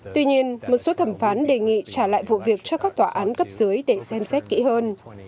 tuy nhiên một số thẩm phán đề nghị trả lại vụ việc cho các tòa án cấp dưới để xem xét kỹ hơn